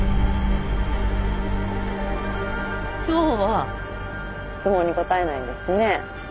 今日は質問に答えないんですね。